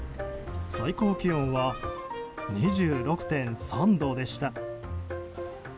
最高気温は２６．３度でした。